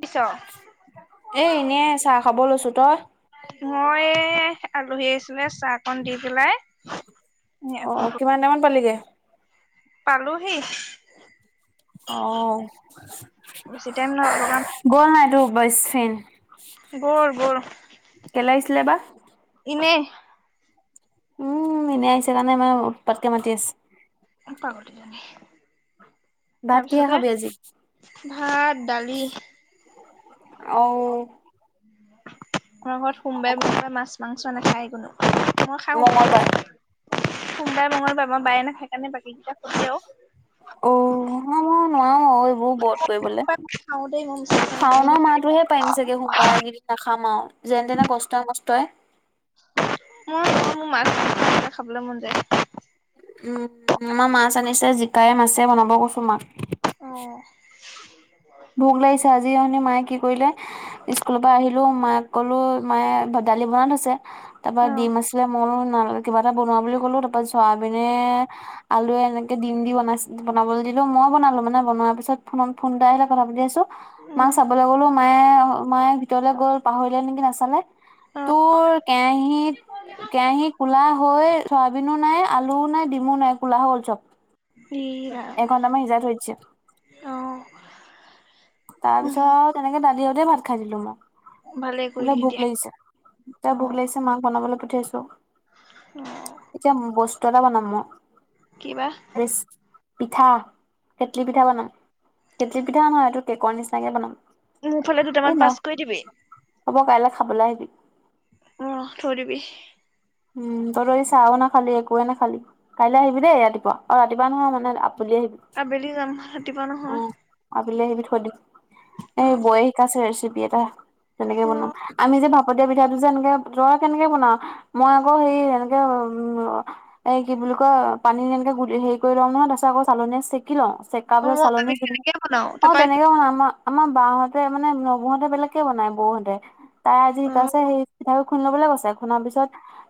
পিছ এ এনে চাহ খাব লৈছো তই মই আলহী আহিছিলে চাহকণ দি পেলাই অ কিমান টাইমত পালিগে পালোহি অ বেছি টাইম ন লগা গ'ল নাই তোৰ বয়েছফেন গল গল কেলে আহিছিলে বা ইনেই উম এনেই আহিছে কানে মানে উৎপাতকে মাতি আছে। [inaudible] ভাত কিহে তাৰপিছতে খাবি আজি ভাত দালি, অও! আমাৰ ঘৰত সোমবাই সোমবাই মাছ মাংস নাখায় কোনো, মই খাওঁ মংগলবাৰ সোমবাৰে মঙলবাৰে মই বায়ে নাখায় কাৰণে বাকী কেইটা সবেও অ হ মই নোৱাৰো আৰু এইবোৰ ব্ৰত কৰিবলৈ, খাওঁ দেই মই মিছা কথা নকওঁ মই শাওনৰ দালি খাওঁ মাহটোহে পাৰিম চাগে সোমবাই যদি নাখামাও যেন তেনে কষ্টই মষ্ট তই, মই মোৰ মাছ খাবলৈ মন যায়। উম আমাৰ মাছ আনিছে জিকাই মাছে বনাব কৈছো মাক, অ' ভোক লাগিছে আজি এনি মায়ে কি কৰিলে স্কুলৰ পৰা আহিলো মাক কলো মায়ে ভাত দালি বন থৈছে তাৰ পৰা অ দিম আছিলে মইও, কিবা এটা বনোৱা বুলি ক'লো তাৰপা চোৱাবিনে আলুয়ে এনেকে দিম দি বনাই বনাবলৈ দি, মই বনালো মানে বনোৱাৰ পিছত ফোনত ফোন এটা আহিলে, কথা পাতি আছো মাক উম চাবলৈ গলো মায়ে মায়ে ভিতৰলে গ'ল পাহৰিলে নেকি নাচালে অ তোৰ কেৰাহিত কেৰাহী কলা হৈ, বিনো নাই আলুও নাই ডিমো নাই ক'লা হ'ল চব চয়া। ই ৰাম এঘণ্টা মান সিজাই থৈ দিছে। অ তাৰ পিছত তেনেকে দালি হ গোটেই ভাত খাই দিলো মই ভালে এয়া কৰিলি ভোক দিয়া লাগিছে অ ভোক লাগিছে মাক বনাবলৈ উঠাইছো অ এতিয়া বস্তু এটা বনাম মই, কিবা ৰিছ পিঠা কেটলি পিঠা বনাম কেটলি পিঠা নহয় এইটো কেকৰ নিচিনাকে বনাম। মোৰ ফালে দুটামান এই ন পাছ কৰি দিবি হ'ব কাইলৈ খাবলৈ আহিবি। অ থৈ দিবি। উম তই এই চাহও নাখালি একোৱে নাখালি কাইলৈ আহিবি দেই ৰাতিপুৱা অ ৰাতিপুৱা নহয় মানে, আবেলি আহিবি আবেলি যাম ৰাতিপুৱা নহয়। আবেলিলৈ আহিবি থৈ দিম অ এই বৌয়ে শিকাইছে ৰেচিপি এটা তেনেকে অ বনাম আমি যে ভাত, ত দিয়া পিঠাটো এনেকে জৰা কেনেকে বনা মই আকৌ হেৰি এনেকে উম এই কি বুলি কয় পানী ঘুটি এনেকে হেৰি কৰি লম নহয় তাৰপাছত, চালনীয়ে চেকি লওঁ চেকা অ পিছত মই চালনী আমি তেনেকে বনাও অ তাৰপৰা তেনেকে ম আমাৰ বাহহতে মানে নবৌহতে বেলেগকে বনাই বৌহতে তাই আজি অ শিকাইছে সেই পিঠাগুৰি খুন্দি লবলৈ গৈছে খুন্দাৰ পিছত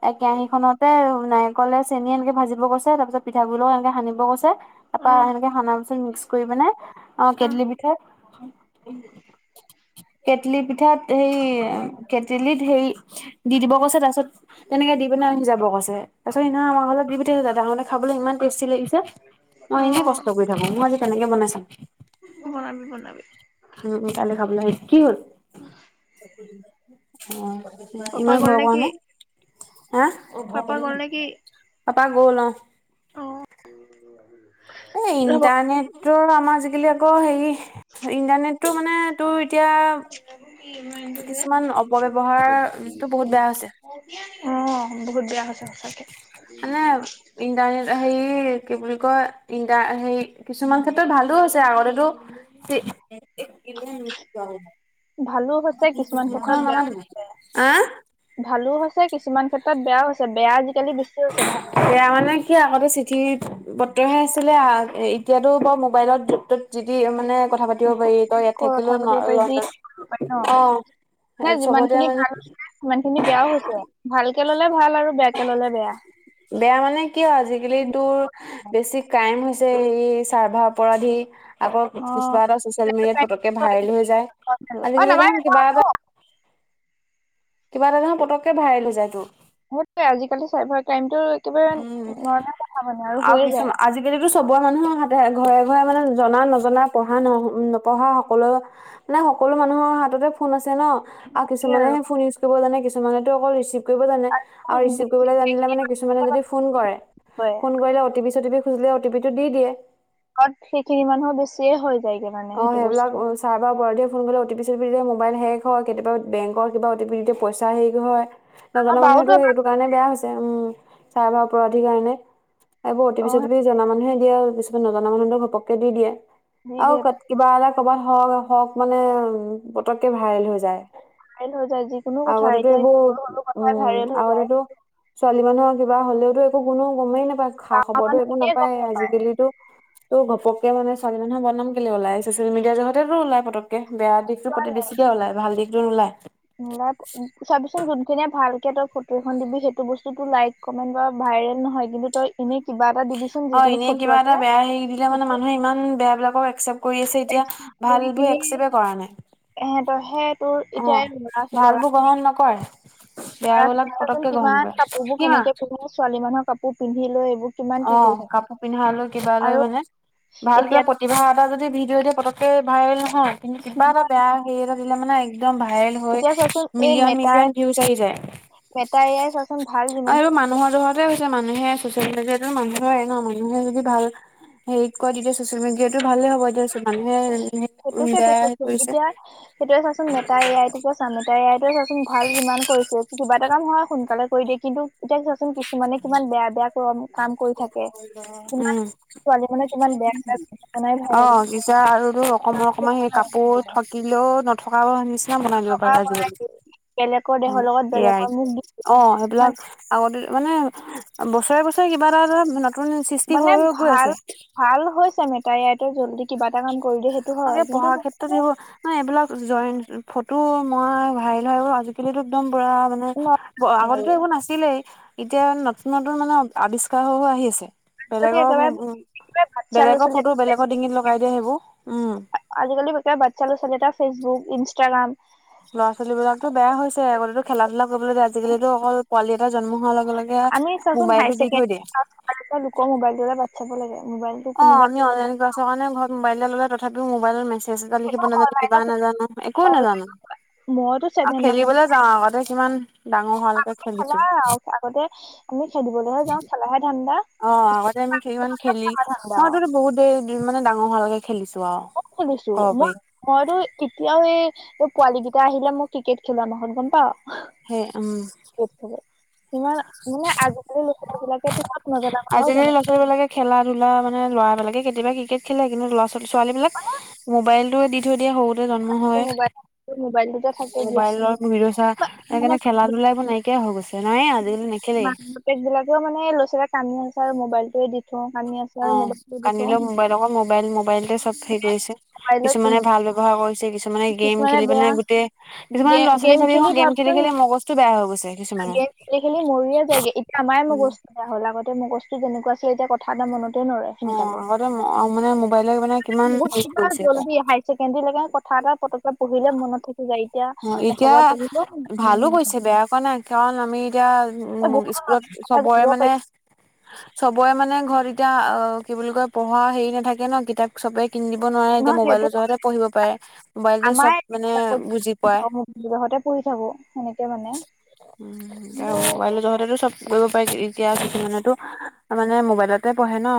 এ কেৰাহীখনতে, নাৰিকলে চেনি এনেকে ভাজিব কৈছে তাৰপিছত পিঠাগুড়িলৈ এনেকে সানিব কৈছে। অ তাৰপা সেনেকে খানা পিচত মিক্স কৰি পিনে অ কেটলি ভিতৰত, উ! কেটলি ভিতৰত সেই কেটলিত সেই দি দিব কৈছে তাৰপিছত, তেনেকে দি পিনে সিজাব কৈছে তাৰপিছত সিদিনা আমাৰ ঘৰত দি পঠাইছিল দাদা হাতত খাবলৈ ইমান টেষ্টি লাগ। এ মই অ এনেই কষ্ট কৰি থাকো মই আজি তেনেকে বনাই চাম। বনাবি বনাবি উম উম কালি খাবলৈ আহিম কি হ'ল? উ! অ ইমান গ'ল ঘৰ পোৱা নেকি নে, হ পাপা গ'ল নেকি পাপা গলম অ এ ৰ'ব অ ইণ্টাৰনেটৰ আমাৰ আজিকালি আকৌ হেৰি ইণ্টাৰনেটো মানে তটো, তিয়াও এই কিছুমান অপব্যয়ৱহাৰটো বহুত বেয়া হৈছে। অ বহুত বেয়া হৈছে সঁচাকে মানে ইণ্টাৰনেট হেৰি কি বুলি ই হে কিছুমান ক্ষেত্ৰত ভালো হৈছে আগতেতো [inaudible] ভালো হৈছে কিছুমান মুখখন ক্ষেত্ৰত নামাত বেয়া আহ ভালো কিছুমান ক্ষেত্ৰত বেয়া হৈছে আজিকালি বেছি ভাল এয়া মানে কি আগতে চিঠি বতৰহে আছিলে এতিয়াতো বাৰু মোবাইলতত যিদি মানে কথা পাতিব পাৰি তই ইয়াত থাকিলো কথা পাতিব লড অ নাই যিমান চবতে খিনি মানে ভাল হৈছে সিমান খিনি বেয়াও হৈছে ভালকে ললে ভাল আৰু বেয়া একে ললে বেয়া বেয়া মানে কিয় আজিকালি তোৰ বেছি ক্ৰাইম হৈছে যে এই চাৰ্ভা অপৰাধী আকৌ অ কিছু এটা ছচিয়েল মিডিয়াত পতককে ভাইৰেল হৈ যায় অ আজিকালি নামাৰে দেখোন কিবা নামাৰো। এটা কিবা এটা নৰ পতককে ভৰাই লৈ যায় তো সেইটো আজিকালি চাইবাৰ ক্ৰাইমতটো উম আৰু কিয় যায় আজিকালিটো চব বৰ মানুহৰ হাতে ঘৰে ঘৰে মানে জনা নজনা পঢ়া ন নপঢ়া সকলো সেই আৰু মানে সকলো [unintelligible] ম টি খুজিলে টি টো দি দিয়ে ঘত সেইখিনি মানুহো বেছিয়ে হৈয় অ সেইবিলাক চাৰ বা বৰধ ফোন গ'লে অটি চিয়া মোবাইল হেক হয় কেতিয়াবা বেংকৰ কিবা অটিতিয়া পইচা হেক হয় আমাৰ নজনা বাওতো মানুহেতো এবাৰ সেইটো কাৰণে বেয়া হৈছে উম চাহ বা অপৰাধীৰ কাৰণে এইব অ অতিছতপি জনা মানুহে দিয়ে আৰু কিছুমান নজনা মানুহো ঘপকে দি দিয়ে নি আৰু দে ক- কিবা এটা কৰবাত হওক হওক মানে উম পতককে ভাইৰেল হৈ যায় ভাইৰেল হৈ যায় যিকোনো কথা আগতো এতিয়া এইবোৰ সৰু সৰু কথাই উম ভাইৰেল হৈ যায় আগতো ছোৱালী মানুহৰ কিবা হ'লেওতো একো কোনো গমেই নাপায় খা গাঁৱৰ খবৰো একো মানুহখিনিয়ে নাপায় গম আজিকালিতো ত ঘকে মানে স্বীন হ বনাম কেলে ওলাই'চিয় মডিয়াৰ জগতে ওলাই পতকে বেয়া দিশতটো প্ৰতি বেছিকে ওলাই ভাল দিশতটো নোলায় নোলা চাবিচোন যোনখিনিয় ভালকে তই ফটো এখন দিবি সেইটো বস্তু টো লাইক কমেণ্ট বা ভাইৰেল নহয় কিন্তু তই এনে কিবা এটা দিবিচোন অ যিকোনো এনেই ফটো কিবা এটা বেয়া হেৰি দিলে মানে মানুহে ইমান বেয়া বিলাকক একচেপ্ট কৰি আছে এতিয়া এক কৰি ভালবোৰ কিনে একচেপে কৰা নাই এহঁতৰ স তোৰ অ এতিয় লৰা আছে ভালবোৰ গ্ৰহণ নকৰে লৰা বেয়াবিলাক বাচোন পতককে গ্ৰহণ কিমান কৰে কাপোৰ বোৰ কি মা কেনেকে পিন্ধে ছোৱালী মানুহৰ কাপোৰ পিন্ধি লৈ এইবোৰ কিমান অ কি কৰি থাকে কাপোৰ পিন্ধা লৈ কিবা লৈ আৰু মানে ভাল কিবা এতিয়া প্ৰতিভা এটা যদি তি পতককে ভাইল নহয় কিন্তু কিবা এটা বেয়া হেৰি এটা দিলে মানে একদম ভাইৰেল হৈ এতিয়া চাচোন এই মিলিয়ন মেটাই মিলিয়ন ভিউজ আহি যায় মেটাই চাচোন ভাল অ যিমান এইবোৰ মানুহৰ দৰতে হৈছে মানুহে চচিয়েল মিডিয় মানুহৰৰে ন মানুহে যদি ভাল হেৰিত কয় তেতিয়া চচিয়েল মিডিয়াতটো ভালে হ'ব এতিয়া মানুহে উম, সেইটোকেইটো বেয়া চচোন কৰিছে এতিয়া সেইটোয়ে চাচোন মেটাই আইটোকে চা মটাই আইটয়ে চাচোন [unintelligible] ভাল যিমান কৰিছে, কিবা এটা কাম হয় সোনকালে কৰি দিয়ে কিন্তু এতিয়া- কিছুমানে কিমান বেয়া বেয়া কাম কৰি থাকে। কিমান উম- ছোৱালী মানে কিমান বেয়া বেয়া ভিডিঅ' বনাই ভাইৰেল অ- পা- আৰু ইমান ৰকম-ৰকম বেয়া সেই ভাইৰেল কাপোৰ কৰিলে থাকিলেও নথকা নিচিনা বনাই দিব নথকা পাৰি বনাই আজিকালি। দিয়ে, বেলেগৰ দেহৰ লগত এ-আই বেলেগৰ মুখ দি দিলে অ- সেইবিলাক মানে আগতে মানে- বছৰে বছৰে কিবা এটা এটা নতুন সৃষ্টি মানে হৈ হৈ গৈ আছে। তাই ইয়াতে জল্দি কিবা এটা কাম কৰি দিয়ে সেইটো হয় আৰু কিন্তু পঢ়াৰ ক্ষেত্ৰত মানে সেইবোৰ নহয়। এইবিলাক জয়, ফটো মৰাই ভাইৰেল হয়। আজিকালিতো একদম পুৰা মানে ন আৰু আগতেতো একো নাছিলেই। এতিয়া নতুন-নতুন মানে আৱিষ্কাৰো আহি আছে। আজিকালি একেবাৰে একেবাৰে বাচ্ছা ল'ৰা বেলেগৰ ফটো ছোৱালী বেলেগৰ ডিঙিত লগাই দিয়ে সেইবোৰ। উম আজিকালি বাচ্ছা লৰা-ছোৱালী এটাৰ ফেচবুক, ইনষ্টাগ্ৰাম, ল'ৰা ছোৱালী বিলাকতো বেয়া হৈছে, আগতেটো খেলা- ধূলা, আজিকালিতো অকল পোৱালি এটা জন্ম হোৱাৰ লগে-লগে মোবাইলটো দি থৈ দিয়ে। আকৌ লোকৰ মোবাইল টোলে বাট চাব লাগে। মোবাইল অ' আমি অনলাইন ক্লছৰ কাৰণে ঘৰত মোবাইলে ললে তথাপিও মোবাইল, মেছেজ এটা সেইটো লিখিব নাজানো, কিবা অনলাইনত নাজানো, একো নাজানো। মইতো আৰু ছেভেন মান খেলিবলৈ যাও আগতে কিমান ডাঙৰ হোৱা লৈকে। খেলাই আৰু আগতে আমি খেলিবলৈ হে যাওঁ খেলাহে ধান্দা। অ', আগতে আমি কিমান খেলিলো। খেলা ধান্দা মইতো আৰু বহুত দিন মানে ডাঙৰ হোৱালৈকে, খেলিছো আৰু মই খেলিছো ক'ব পাৰি মই-মইতো এতিয়াও এই তোৰ পোৱালী কেইটা আহিলে মই ক্ৰিকেট খেলোৱা মানুহ গম পাৱ? সেই উম, তোমাৰ মানে আজিকালি ল' ছোৱালী বিলাকে আজিকালি ল'ৰা-ছোৱালী বিলাকে খেলা- ধূলা মানে ল'ৰাবিলাকে কেতিয়া কেতিয়াবা ক্ৰিকেট খেলে। কিন্তু লৰা-ছোৱালী বিলাক মোবাইলটোৱে দি থৈ দিয়ে সৰুতে। জন্ম হয়ে মোবাইল মোবাইলটোতে থাকে ব্যস্ত মোবাইলৰ ভিডিঅ চাই সেইকাৰণে মানে খেলা-ধূলা এইবোৰ নাইকিয়া হৈ গৈছে। নাই আজিকালি নেখেলেই। আমিও বাৰু মোবাইলটোৱে দি থওঁ কান্দি আছে আৰু অ' মোবাইলটোৱে দি থওঁ কান্দিলে মোবাইল অকন মোবাইল- মোবাইল চব হেৰি কৰিছে। মোবাইলত কিছুমানে যোন- ভাল ব্যৱহাৰ কৰিছে। মানে গেম কিছুমানে খেলি মানে বেয়া গোটেই, কিছুমান গে ল'ৰা-ছোৱালী গেম চাবি চোন খেলি গেম ভাবচোন খেলি-খেলি মগজটো বেয়া হৈ গৈছে কিছুমানৰ গেম খেলি-খেলি মৰিয়ে যায়গৈ। এতিয়া আমাৰেই উম মগজটো বেয়া হ'ল। আগতে মগজটো যেনেকুৱা আছিল সেই এতিয়া কথা এটা মনতেই নৰয় অ সোনকালে। আগতে মানে মোবাইলৰ মানে কিমান বহুত হেৰি কিবা কৰিছে এতিয়া। জলদি হাই-ছেকেণ্ডৰী লৈকে কথা এটা পতককে পঢ়িলে মনত থাকি যায় এতিয়া অ' এতিয়া এশবাৰ পঢ়িলেও মনত ভালো গৈছে নাথাকে বেয়া কৰাৱা নাই। কাৰণ আমি এতিয়া এ বহুতো স্কুলত নজনা কথা চবৰে জানিব মানে- পাৰিছো চবৰে মানে ঘৰত তেতিয়া অ' কিবুলি কয়, পঢ়া হেৰি নাথাকে ন? কিতাপ চবেই কিন দিব নোৱাৰে এতিয়া নহয় সেইটো মোবাইলৰ জহতে পঢ়িব পাৰে। মোবাইলতে চব মানে বুজি পায় বিদেশতে পঢ়ি থাকো সেনেকে মানে, কিন্তু মবাইলৰ যহতেতো চব কৰিব পাৰি এতিয়া কিছুমানেটো মানে মোবাইলতে পঢ়ে ন?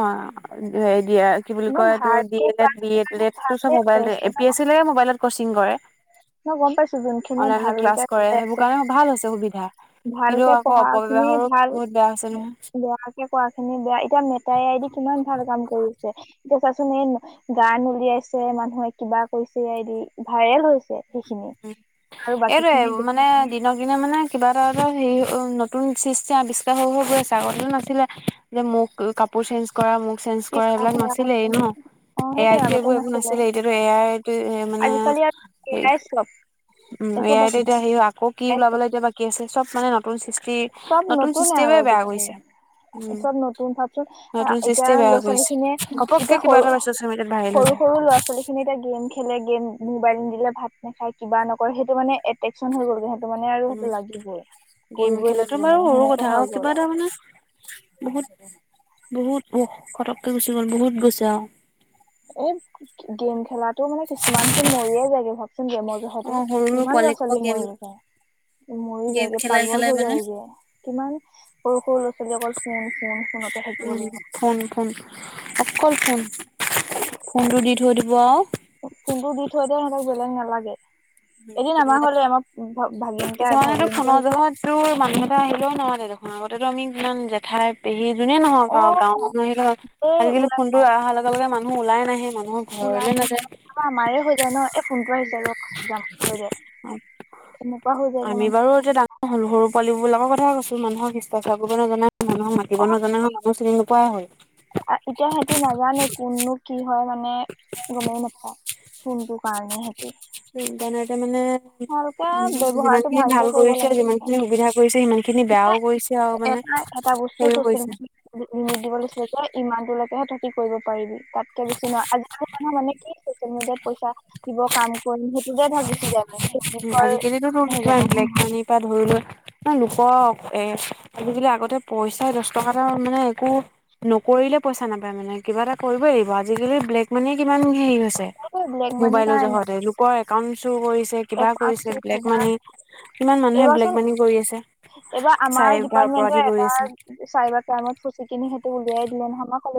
কি বুলি ন কয়, তোৰ ভালকে ডিএল পাই এড সেইকাৰণে বিল এড ত ভালকে চব হৈ মোবাইলতে। আছে এ ন পি এচি লৈকে মোবাইলত ক'চিং কৰে। মই গম পাইছো যোনখিনিয়ে অনলাইনত ভালকে ক্লাছ কৰে হৈ সেইবোৰ আছে কাৰণে ভাল হৈছে। সুবিধা কিন্তু ভালকে আকৌ পঢ়া শুনি অপব্যৱহাৰো ভাল বহুত বেয়া হৈছে নহয় বেয়াকে কোৱা খিনি বেয়া। এতিয়া মেটাই আদি কিমান ভাল কাম কৰিছে। এতিয়া চাচোন এই গান উলিয়াইছে, মানুহে কিবা কৰিছে, ভাইৰেল হৈছে। সেইখিনি আৰু বাকী এইটোৱেই খিনি মানে কিবা দিনক দিনে মানে কিবা এটা, অপ হেৰি নতুন শিষ্টি আৱিষ্কাৰ হৈ-হৈ গৈ আছে আগতেো নাছিলে যে মোক কাপোৰ চেঞ্জ কৰা মোক চেঞ্জ কৰা এইবিলাক নাছিলেই ন অ এ আই সেইটোয়ে টি আগতে এইবোৰ একো নাছিলে এতিয়াতো এ আই মানে। এ আই সব। উম, এ এই এতিয়া-এতিয়া সে আকৌ কি এ আই ওলাবলৈ এতিয়া বাকি আছে চব মানে নতুন, চব নতুন নতুনে আৰু চিষ্টেমে বেয়া আজিকালি কৰিছে। উম, চব নতুন ভাবচোন আহ নতুন এতিয়া সৃতিয়ে বেয়া ল'ৰা ছোৱালী কৰিছে খিনিয়ে গপক্কে এতিয়া কিবা সৰু এটা মেছেজ কৰিম এতিয়া ভাইৰেল হৈ সৰু যাম। সৰু ল'ৰা-ছোৱালী খিনি এতি গেম খেলে গেম, মোবাইল নিদিলে ভাত নাখায় কিবা নকৰে সেইটো মানে এট্ৰকচন হৈ গলগে মানে আৰু সেইটো উম লাগিবই গেম কৰিব খেলাটো বাৰু সৰু কথা আৰু কিবা এটা মানে, বহুত বহুত ফতককে গুচি গ'ল বহুত গৈছে আও এই গেম খেলাটো মানে কিছুমান [unintelligible] মৰিয়ে যায়গে হঁত চোন গেমৰ যহতে অ সৰু সৰু কিমান পোৱালি সোপাক ল'ৰা-ছোৱালী গেম মৰি গৈছে। মৰি গেম যায়গে খেলাই পাগল খেলাই হৈ মানে যায়গে কিমান সৰু সৰু ল'ৰা-ছোৱালী অকল ফোন ফোন ফোন। উ ফোন ফোন অকল ফোন, ফোনটো দি [unintelligible] ফোনটো দি থৈ দে সিহঁতক বেলেগ নালাগে। উ এদিন আমাৰ কিছুমানে, ঘৰলে আমাৰ ভাগিন এটা কিছুমানে ভাগিনটো ফোনৰ আহিছে জহতটো মানুহ এটা আহিলেও নামাতে দেখোন আগতেটো আমি কিমান জেঠাই পেহী যোনেই নহওক অ আও গাঁৱৰ মানুহ আহিলে হ'ল এই আজিকালি ওলাই ফোনটে যাওঁ অহাৰ লগে লগে মানুহ ওলাই নাহে মানুহৰ ঘৰলে নাযায় ওলাই আমাৰ হৈ যায় ন এই ফোনটো আহিছে পাছত যাম। থৈ দে অ এনেকুৱা হৈ যায়গে আমি মানে বাৰু এতিয়া ডাঙৰ হ'লো সৰু পোৱালি লগ কথা কৈছো মানুহক শিষ্টাচাৰ কৰিব নজনা মানুহক অ মাতিব নাজনা মানুহ চিনি নোপাৱা হ'ল। এতিয়া সেতি নাজানে কোননো কি হয় মানে গমেই নাপায়, ফোনটো কাৰণে সেতে ইণ্টাৰনেটে মানে ভালকে উ যিমান ব্যবহাৰটো খিনি ভাল ভালকে কৰিব কৰিছে যিমান লাগে। খিনি সুবিধা কৰিছে সিমান খিনি বেয়াও কৰিছে আৰু মানে এটা এটা বস্তু হেৰিও চচিয়েল কৰিছে মেডিয়াত দি দিব লৈছিলে যে ইমানটো থাকি কৰিব পাৰিবি তাতকে বেছি নোৱাৰে [unintelligible] মানে কি মিডিয়াত পইচা দিব ক কৰিম সেইটোতে ভাগ গুচি যায় মানে ফেচবুকৰ আজিকালিতো তো হৈ যাব কিমান ব্লেক মানি পা ধৰি লৈ ন লোকক এ আজিকালি আগতে পইচা দশ টকা এটা মানে একো নকৰিলেও পইচা নাপায় মানে কিবা এটা কৰিবই লাগিব আজিকালি ব্লেক মানিয়ে কিমান হেৰি হৈছে সেইটোৱে ব্লেক মানি মোবাইলৰ কাৰণে যহতে লোকৰ একাউণ্ট চুৰ কৰিছে কিবা একাউণ্ট কৰিছে ব্লেক মানি কিমান মানুহে এইবাৰচোন ব্লেক মানি কৰি আছে। এইবাৰ আমাৰ চাইবাৰ অপৰাধী ডিপাৰ্টমেন্টৰ কৰি এটা আছে চাইবাৰ ক্ৰাইমত ফচি কিনি সেইটো উলিয়াই দিলে নহয় আমাৰ কলেজ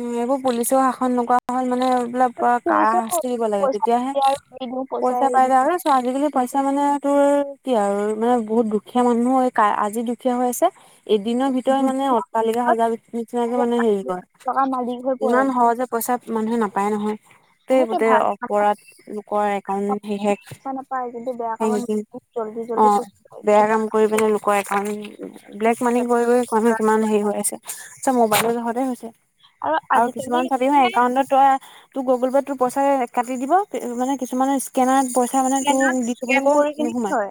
উম এইবোৰ পুলিচও শাসন নকৰা হ'ল মানে বিলাক পৰা কাৰা ফুৰিছো শাস্তি দিব লাগে পইচা তেতিয়াহে নিদিয়ে আৰু দি দিওঁ পইচা এৰি পাই য দিওঁ আৰু চ আজিকালি পইচা মানে তোৰ কি আৰু। মানে বহুত দুখীয়া মানুহো, আজি দুখীয়া হৈ আছে এদিনৰ ভিতৰত মানে দুদিনৰ অট্টালিকা সজাব নিচিনাকে মানে হেৰি পিছত কৰে। টকা মালিক হৈ পৰে ইমান সহজে পইচা মানুহে নাপায় নহয়। গোটেই সেইটো গোটেই ভাল কামত অপৰাধ, লোকৰ একাউণ্ট হেক, পইচা নাপায় কিন্তু বেয়া হেংকিং কামত জল্দি অ জল্দি পইচা পায় বেয়া কাম কিবা কৰি পিনে লোকৰ একাউন্ট ব্লেক মানি কৈ কৈ মানুহ কিমান হেই হৈ আছে। ম'বাইলৰ জহতে হৈছে আৰু আজিকালি কিছুমান চাবিহা মানে একাউন্টত তই তোৰ গুগল পে' টো পইচাৰে কাটি দিব মানে কিছুমানৰ স্কেনাৰ পইচা মানে স্কেনাৰত তোৰ দিছো স্কেন বুলি কয় কৰি কিনি নোসোমাই। থয়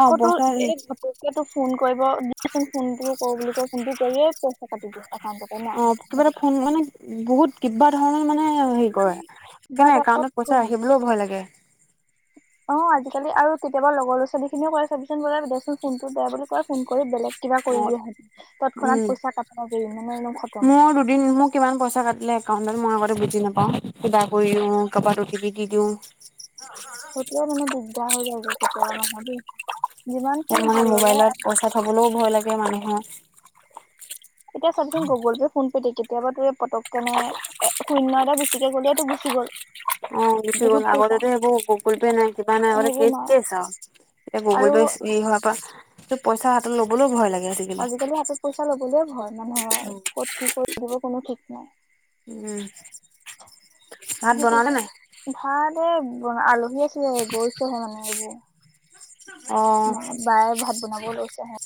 অ আকৌ তোৰ পইচা এই ঘপকেটো ফোন কৰিব দিয়াচোন ফোনটো কৰো বুলি কয় ফোনটো কৰিয়ে পইচা কাটি দিয়ে, একাউণ্টৰ পৰা নাই বাট [unintelligible] হেই কৰে বাট সেইকাৰণে আকৌ একাউণ্টত পইচা ৰাখিবলৈও ভয় লাগে। অঁ আজিকালি আৰু কেতিয়াবা লগৰ লৰা-ছোৱালীখিনিও কয় চাবিচোন বোলে দেচোন ফোনটো, দে বুলি কৈ ফোন কৰি বেলেগ কিবা অ কৰি দিয়া হম উম তৎক্ষণাত পইচা কাট খায় যায় মানে একদম খতম একাউন্টত মই আগতে বুজি নাপাওঁ কিবা কৰি দিওঁ, কাবাক ঔটিপি দি দিওঁ। সেইটোৱে মানে দিগদা হৈ যায়গে কেতিয়াবা মাহত দেই যিমান তাৰ খিনি মানে ভাল ল'লে মোবাইলত পইচা থবলৈও ভয় লাগে মানুহৰ এতিয়া চোন গুগল পে ফোন কেতিয়াবাতো এই পতক কেনে এ, শূন্য এটা বেছিকে গ'লেটো গুচি গ'ল। অ', গুচি বহুত গ'ল পইচা আগতেতো এইবোৰ গুগল পে' নাই, কিবা নাই, আগতে সেইবোৰ নাই কেছ আৰু। এতিয়া গুগল আৰু পে হেয়ি হোৱাৰ পৰা পইচা হাতত ল'বলেয়ো ভয় লা আজিকালি হাতত পইচা ল'বলেই ভয় মানুহৰ ক'ত, কি, কৰি দিব কোনো ঠিক নাই। উম ভাত বনালে সেইটোকে নাই ভাত এই আলহী আছিলে গৈছেহে মানে এইবোৰ। ম, অ বায়ে ভাত বনাব লৈছেহে।